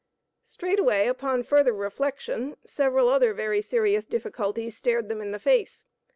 Straightway, upon further reflection, several other very serious difficulties stared them in the face.